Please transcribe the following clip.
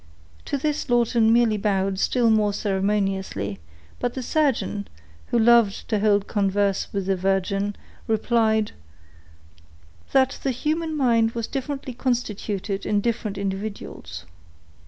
To this Lawton merely bowed still more ceremoniously; but the surgeon, who loved to hold converse with the virgin, replied,— "That the human mind was differently constituted in different individuals.